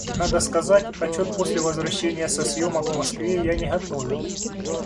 Надо сказать, отчет после возвращения со съемок в Москве я не готовил.